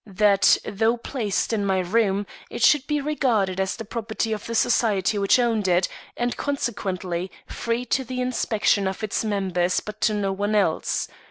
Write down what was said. That, though placed in my room, it should be regarded as the property of the society which owned it, and, consequently, free to the inspection of its members but to no one else.